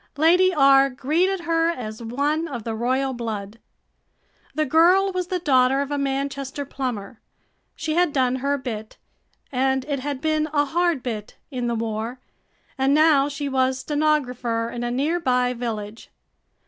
Lady R. greeted her as one of the royal blood. The girl was the daughter of a Manchester plumber. She had done her bit, and it had been a hard bit, in the war, and now she was stenographer in a near by village.